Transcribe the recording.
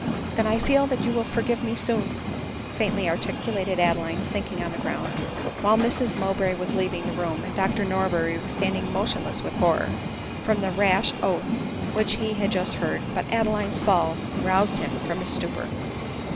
" Then I feel that you will forgive me soon," faintly articulated Adeline sinking on the ground ; while Mrs Mowbray was leaving the room, and • Dr Norberry was standing motionless with horror, from the rash oath which he had just heard. But Adeline's fall aroused him from his stupor.